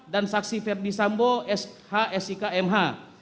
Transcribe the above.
dan saksi verdi sambo sik mh